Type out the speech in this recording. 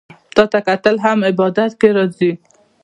تاته کتل هم عبادت کی راځي